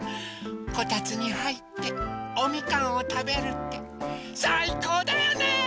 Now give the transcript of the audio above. こたつにはいっておみかんをたべるってさいこうだよね！